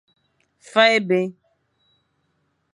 Fakh ébi.